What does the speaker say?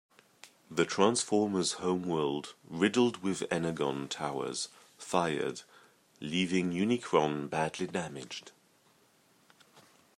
The Transformers' homeworld riddled with Energon towers, fired, leaving Unicron badly damaged.